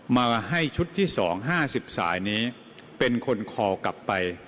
มาให้ชุดที่๒๕๐สายนี้เป็นคนคอกลับไป